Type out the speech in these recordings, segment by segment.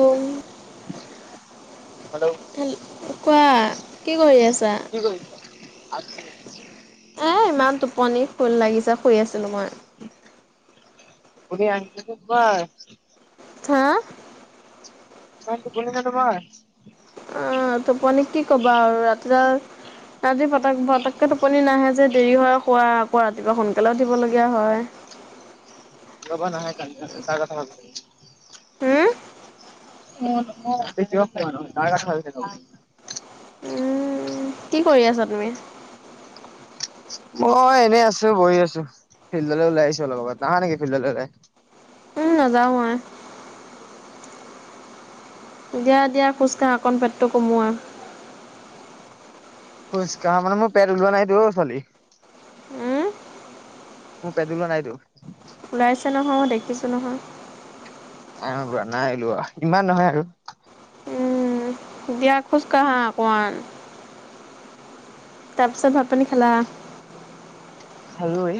উম hello হেল কোৱা কি কৰি আছা কি কৰিছা? আছো এ ইমান টোপনি ফুল লাগিছে শুই আছিলো মই [unintelligible] হাঁ ইমান টুপনি নে তোমাৰ অঁ টুপনি কি ক'বা আৰু ৰাতিডাল ৰাতি পত পতকে টোপনি নাহে যে দেৰি হয় শুৱা আকৌ ৰাতিপুৱা সোনকালে উঠিবলগীয়া হয় ৰ'বা নাহে কালি ৰাতি তাৰ কথা ভাবিছিলো। হু [unintelligible] উম, কি কৰি আছা তুমি মই এনে আছো বহি আছো ফিল্ডলে ওলাই আহিছো অলপ আগত নাহা নেকি ফিল্ডলে ওলাই উঁ নাযাওঁ মই দিয়া দিয়া খোজকাঢ়া অকন পেটটো কমোৱা খুচকাহা মানে মোৰ পেট উলোৱা নাইটো অ' ছোৱালী উম, মো পেট উলোৱা নাইটো ওলাইছে নহয় দেখিছোঁ নহয় নাই ওলোৱা নাই ওলোৱা ইমান নহয় আৰু উম, দিয়া খোজকাঢ়া অকমান তাৰপিছত ভাতপানী খালা খালো এ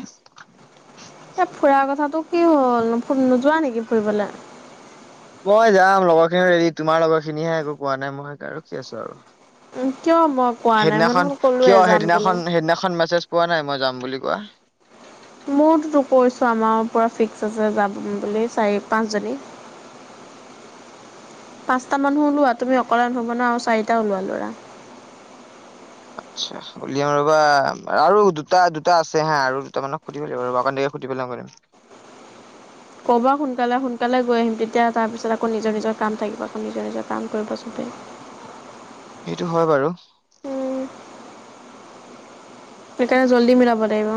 এ ফুুৰাৰ কথাাটো কি হ'ল ফু নোযোৱা নেকি ফুৰিবলে মই যাম লগৰ খিনিও ৰেডি তোমাৰ লগৰ খিনিহে একো কোৱা নাই মই হেকাৰনে ৰখি আছো আৰু উম কিয় মই কোৱা নাই মই সেইদিনাখন দেখোন ক'লোৱে কিয় যাম বুলি সেইদিনাখন সেইদিনাখন মেছেজ পোৱা নাই মই যাম বুলি কোৱা মতোতো কৈছো আমাউ পুৰা ফিক্স আছে যাম বুলি চাৰি পাঁচ জনী পাঁচটা মানুহ ওলোৱা তুমি অকলে নহ'ব ন আৰু চাৰিটা ওলোৱা ল'ৰা আচ্ছা উলিয়াম ৰবা আৰু দুটা দুটা আছে হা আৰু দুটা মানক সুধিব লাগিব ৰবা অকমান দেৰিকে সুধি পেলাম ক'বা সোনকালে সোনকালে গৈ আহিম তেতিয়া তাৰপিছত আকৌ নিজৰ নিজৰ কাম থাকিব আকৌ নিজৰ নিজৰ কাম কৰিব চবেই এইটো হয় বাৰু উম, সেইকাৰণে জল্দি মিলাব লাগিব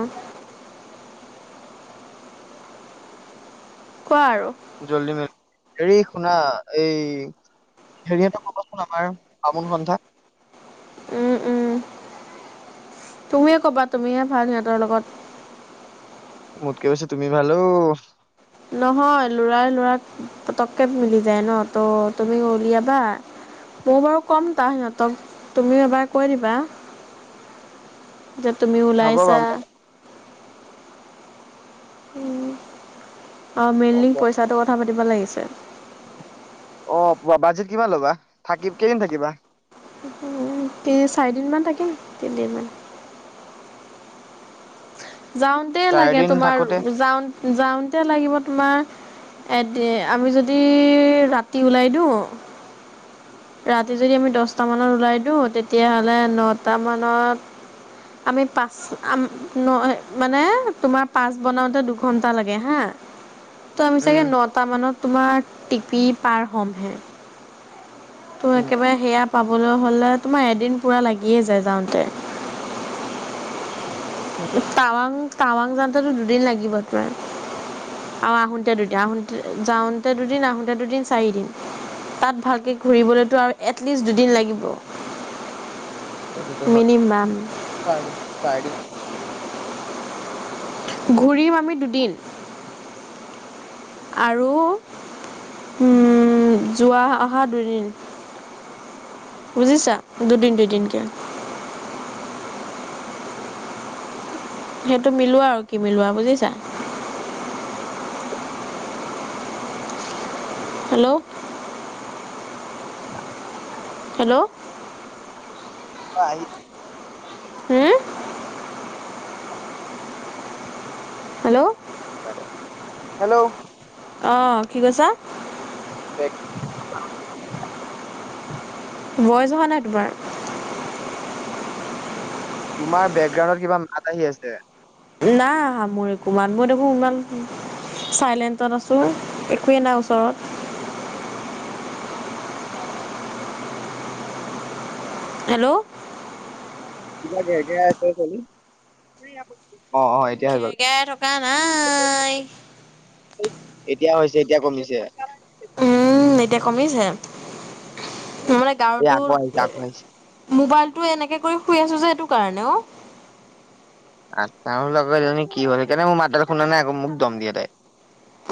কোৱা আৰু জল্দি মি হেৰি শুনা এই হেৰি এটা কবাচোন আমাৰ বামুণ সন্থাক উম, উম। তুমিয়ে ক'বা তুমিহে ভাল সিহঁতৰ লগত মোতকে বেছি তুমি ভালো ও নহয় লৰাই লৰাক পতককে মিলি যায় ন ত' তুমি উলিয়াবা মই বাৰু কম তাহ সিহঁতক তুমিও এবাৰ কৈ দিবা যে তুমি হ'ব ওলাইছা বাৰু মই উম অ' কম মেইনলি কম। পইচাটো কথা পাতি দিব লাগিছে অ' পুৱা বাজেট কিমান ল'বা থাকি কেইদিন থাকিবা তিনি চাৰি দিনমান থাকিম তিনদিনমান যাওঁতে লাগে চাৰিদিন তোমাৰ থাকোতে যাওঁ যাওঁতে লাগিব তোমাৰ [unintelligible] আমি যদি ৰাতি ওলাই দিওঁ ৰাতি যদি আমি দছটা মানত ওলাই দিওঁ তেতিয়াহ'লে নটা মানত আমি পাঁচ আ ন মানে তোমাৰ পাচ বনাওঁতে দুঘণ্টা লাগে হা ত আমি চাগে উম নটা মানত তোমাৰ টিপি পাৰ হ'মহে তো উম একেবাৰে সেয়া পাবলৈ হ'লে তোমাৰ এদিন পূৰা লাগিয়ে যায় যাওঁতে উম, টাৱাং টাৱাং যাওঁতেতো দুদিন লাগিব তে আৰু আহোতে দুদিন আহোতে যাওঁতে দুদিন আহোতে দুদিন চাৰিদিন তাত ভালকে ঘূৰিবলৈতো আৰু এটলিষ্ট দুদিন লাগিব সেইটোতো হয় মিনিমাম চাৰদিন চাৰিদিন ঘূৰিম আমি দুদিন আৰু উম যোৱা অহা দুদিন বুজিছা দুদিন দুদিনকে সেইটো মিলোৱা আৰু কি মিলোৱা বুজিছা হেল্ল' হেল্ল' অআই হুম। হেল্ল' হেল্ল' অঁ, কি কৈছা? [unintelligible] ভইচ অহা নাই তোমাৰ। তোমাৰ বেকগ্ৰাউণ্ডত কিবা মাত আহি আছে। নাই আহা মোৰ একো মাত মই দেখো ইমান চাইলেন্টত আছো, একোৱে নাই ওচৰত হেল্ল' কিবা ঘেৰ ঘেৰাই আছে [unintelligible] এতিয়া হৈ ঘেৰ গ'ল ঘেৰাই থকা নাই। এতিয়া হৈছে এতিয়া কমিছে। উম এতিয়া কমিছে? ত' মানে এই আকৌ গাৰুটোৰ আহিছে আকৌ আহিছে। মোবাইল তো এনেকে কৰি শুই আছো যে এইটো কাৰণে অ,। আচ্ছা, মই বোলো আকো এইজনী কি হল সেইকাৰণে মই মাত দাল শুনা নাই আৰু মোক দম দিয়ে তাই।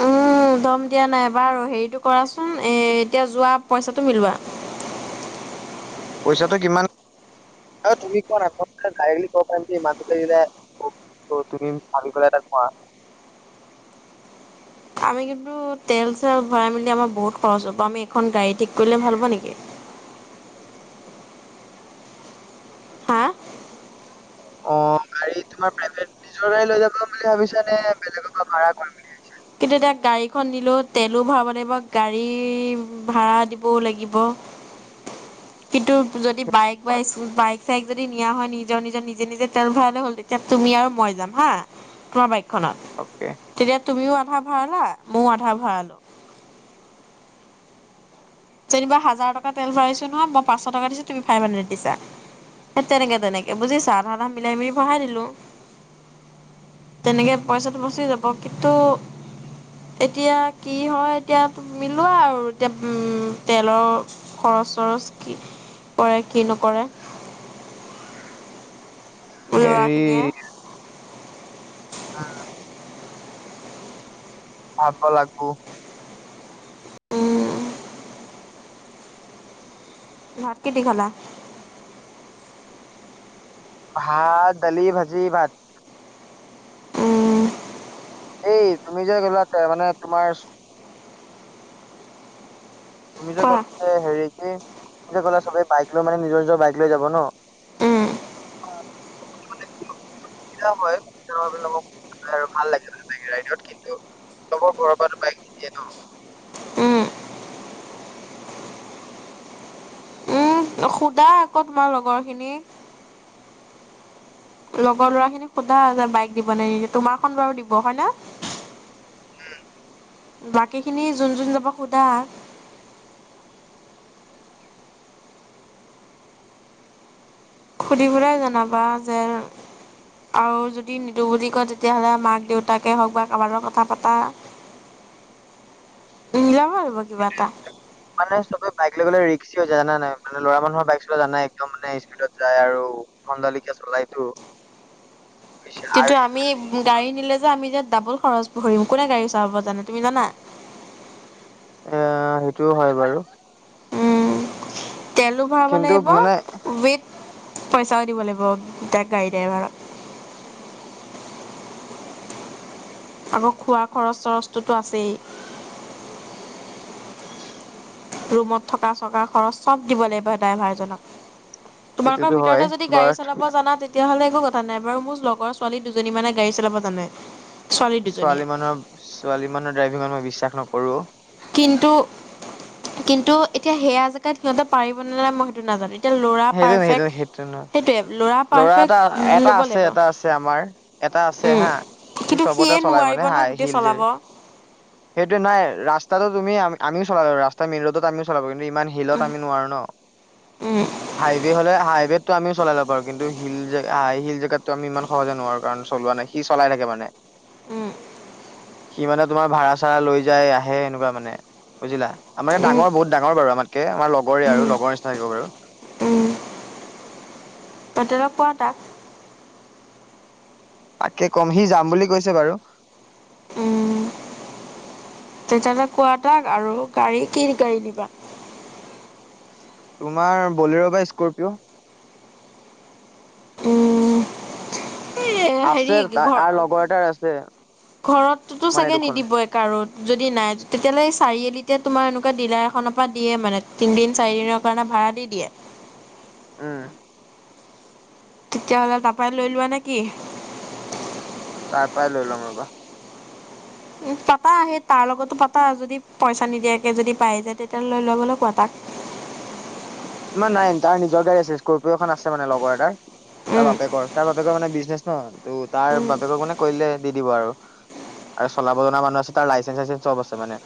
উম দম দিয়া নাই, বাৰু হেৰিটো কৰাচোন এ এতিয়া যোৱা পইচাটো মিলোৱা। পইচাটো কিমান? আৰে তুমি কোৱা না [unintelligible] আমি কিন্তু তেল চেল ভৰাই মেলি আমাৰ বহুত খৰচ হ'ব আমি এখন গাড়ী ঠিক কৰিলে ভাল হব নেকি? হা? অ', গাড়ী তোমাৰ প্ৰাইভেট নিজৰে লৈ যাম বুলি ভাবিছা নে বেলেগৰ পৰা ভাড়া কৰিম বুলি? কিন্তু এতিয়া গাড়ী খন নিলেও তেলো ভৰাব লাগিব, গাড়ী ভাৰা দিবও লাগিব, কিন্তু যদি বাইক বা স্কু--বাইক চাইক যদি নিয়া হয় নিজৰ নিজৰ নিজে নিজে তেল ভৰালে হ'ল তেতিয়া তুমি আৰু মই যাম হা, তোমাৰ বাইক অকে তেতিয়া তুমিও আধা ভাৰা লোৱা, ময়ো আধা ভাৰা লওঁ। যেনিবা হাজাৰ টকা তেল ভৰাইছো নহয়, মই পাঁচশ টকা দিছো তুমি ফাইভ হাড্ৰেড দিছা সেই তেনেকে তেনেকে বুজিছা আধা আধা মিলাই মেলি ভৰাই দিলো, তেনেকে পইচাটো বচি যাব কিন্তু এতিয়া কি হয় এতিয়া মিলোৱা আৰু এতিয়া উম তেলৰ খৰচ চৰচ কি কৰে কি নকৰে ল'ৰা হেৰি খিনিয়ে অ', ভাৱবা লাগবো। উম ভাত কিহেদি খালা? ভাত দালি, ভাজি ভাত। উম এই তুমি যে গলা মানে তোমাৰ তুমি যে কোৱা য'তে হেৰি কি কোনে কোনে সবেই বাইক লৈ মানে নিজৰ নিজৰ বাইক লৈ যাব ন, উম হয় ভাল লাগ ৰাইডত কিন্ত ঘৰৰ পৰা বাইক নিদিয়ে ন। উম উম সোধা আকৌ তোমাৰ লগৰ খিনিক। লগৰ ল'ৰা খিনিক সোধা যে বাইক দিব নে নেকি তোমাৰখন বাৰু দিব হয় নে। উ। বাকী খিনি যোন যোন যাব সোধা। সুধিবুৰাই জনাবা যে আৰু যদি নিদো বুলি কয় তে তেতিয়াহ'লে মাক দেউতাকে হওক বা কাৰবাৰো কথা পতা [unintelligible] মানে চবে বাইকলৈ গ'লে য জানা নাই মানে লৰা মানুহৰ বাইক চলাই জানাই একদম মানে স্পীডত যায় আৰু ভণ্ডালিকা চলাইতো বেছি কিন্তু আৰু আমি গাড়ী নিলে যে আমি যে ডাবুল খৰচ ভৰিম কোনে গাড়ী চাব জানে তুমি জানা। এ সেইটোও হয় বাৰু। উম, তেলো ভৰাব কিন্তু লাগিব মানে ৱেইট পইচাও দিব লাগিব তাক গাড়ী দাইভাৰ আকৌ খোৱা খৰচ চৰচটোতো আছেই ৰুমত থকা চকা খৰচ চব দিব লাগিব ড্ৰাইভাৰজনক তোমালোকৰ সেইটোতো হয় ভিতৰতে যদি গাড়ী বাট চলাব জানা তেতিয়াহ'লে একো জানাই বাৰু মোৰ লগৰ ছোৱালী দুজনী মানে গাড়ী চলাব জানে ছোৱালী মানুৰ ছোৱালী মানৰ ড্ৰাইভিংত মই বিশ্বাস নকৰো। কৰো কিন্তু কিন্তু এতিয়া সেয়া জেগাত সিহঁতে পাৰিবনে নাই মই সেইটো নাজানো। এতিয়া ল'ৰা সেইটো ন সেইটো পাৰফেক্ট সেইটো নয় সেইটোৱে ল'ৰা পাৰফেক্ট এটা এটা ল'ব আছে লাগিব এটা আছে আমাৰ এটা আছে উম। হা সি কিন্তু সিয়ে চবতে চলাই নোৱাৰিব মানে নহয় হাই গোটেই হিল জ চলাব সেইটো নাই ৰাস্তা তাতো তুমি আমও চলাবা ৰাস্ত মেইন ৰোড আ চলাব। ইমান শিলত উম আমি নোৱাৰো ন। উম হাইৱে হলে হাইৱেতটো আমি চাই লব পাৰো কিন্ত হিল হিল জেগাততটো আমি ইমান সহজে নোৱাৰো কাৰণ চলোৱা নাই সি চলাই থাকে মানে। উম। সি মানে তোমাৰ ভাড়া চাড়া লৈ যাই আহে এনেকুৱা মানে বুজিলা। উম ডাঙৰ বাৰু, ডাঙৰ বাৰু আমাত কে তাকে আমাৰ লগৰৰে আৰু উম লগৰ নিচিনাকে বাৰু পেটেলক পোৱা তাক তাকে কম সি যাম বুলি কৈছে বাৰু- উম তেতিয়াহলে কোৱা তাক আৰু গাড়ী কি গাড়ী দিবা? তোমাৰ বলেৰ' বা স্কপিঅ উম! হেৰি আছে ঘ তাৰ লগৰ এটাৰ আছে ঘৰততো মানে চাগে দুখন নিদিব এক যদি নাই তেতিয়াললে চাৰিআলিত এতিয়া তোমাৰ এনেকুৱা ডিলাৰ এখনৰ পৰা দিয়ে মানে তিনিদিন চাৰিদিনৰ কাৰণে ভাড়া দি দিয়ে। উম! তেতিয়াাহ'লে তাৰাপাই লৈ লোৱা নে কি তাৰ পৰাই লৈ ল'ম ৰবা উ পাতা সেই তাৰ লগতো পাতা যদি পইচা নিদিয়াকে যদি পাই যায় তেতিয়াাহলে লৈ লোৱা গলে কোৱা তাক মমান নাই তাৰ নিজৰ গাড়ী আছেি এখন আছে মানে লগৰ এটাৰ তাৰ উম বাপেকৰ তাৰ বাপেকৰ মানে বিজনেচ ন ত তাৰ বাপেকৰ মানে কৰিলে দি দিব আৰু আৰু চলাব জ মানুহ আছে তাৰ লাইচেন্ চাইচে চব আছে মানে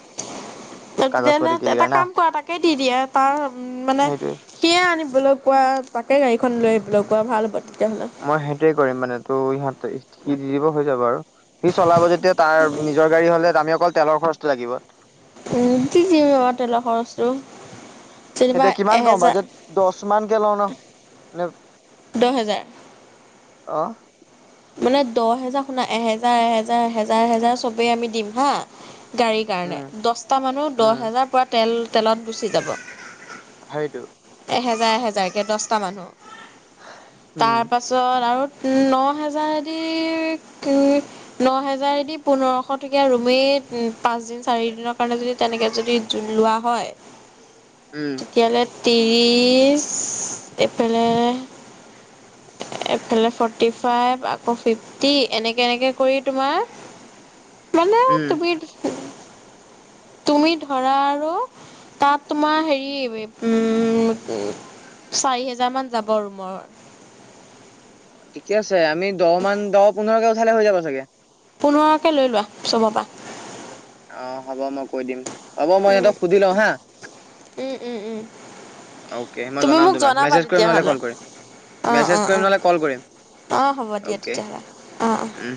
কাগজ তেতিয়াহলে পাতি এটা ক্লিয়াৰ না কাম কৰা তাকে দি দিয়ে তাৰ সেইটোৱে সিয়ে আনিবলৈ কোৱা তাকে গাড়ীখন লৈ আহিবলৈ প্ৰভ ভাল তেতিয়াহ'লে মই সেইটোৱে কৰিম মানে। ত' ইহঁতে সি দি দিব হৈ যাব আৰু সি চলাব যেতিয়া তাৰ নিজৰ গাড়ী হ'লে আমি অকল তেলৰ খৰচটো লাগিব। উম! কি কি তেলৰ খৰচটো? যেনিবা এতিয়া কিমান কওঁ এহেজাৰ বাজেট দহ মানকে লও ন মানে? দহ হেজাৰ আহ! মানে দহ হেজাৰ শুনা এহেজাৰ এহেজাৰ এ হেজাৰ এহেজাৰ চবেই আমি দিম হা গাড়ীৰ কাৰণে উম দহটা মানুহ দহ উম হেজাৰ পৰা তেল তেলত গুচি যাব হয়টো এহেজাৰ এহেজাৰকৈ দহটা মানুহ তাৰ উম পাছত আৰু ন হেজাৰদি ন হেজাৰদি পোন্ধৰশ টকীয়া ৰুমেই পাঁচদিন চাৰিদিনৰ কাৰণে যদি তেনেকৈ যদি লোৱা হয়। উম তেতিয়াহলে ত্ৰিছ এপ্ৰিল এইফালে ফৰ্টি ফাইভ আকৌ ফিফটি এনেকে এনেকে কৰি তোমাৰ মানে উম তুমি তুমি ধৰা আৰু তাত তোমাৰ হেৰি উম চাৰি হেজাৰ মান যাব আৰু মোৰ অ ঠিকে আছে আমি দহ মান দহ পোন্ধৰ গ ালে হৈ যাব চাগে। পোন্ধৰকে লৈ চাব পৰা। অ', হ'ব মই কৈ দিম হ'ব মই ইহঁতক সুধি লওঁ হা উ উ উ অ'কে মই তুমি জনাম মোক তোমাক জনাবা মেছেজ কৰিম নহ'লে তেতিয়াহ'লে কল কৰিম অ' মেছেজ অ' কৰিম অ' নহ'লে কল কৰিম অ' হ'ব দিয়া অ'কে তেতিয়াহ'লে অ' অ' উম।